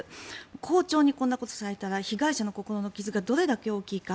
校長にこんなことをされたら被害者の心の傷がどれだけ大きいか。